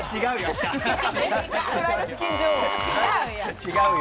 違うよ。